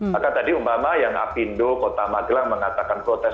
maka tadi umpama yang apindo kota magelang mengatakan protes